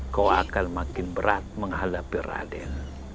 kau akan makin berat menghadapi raden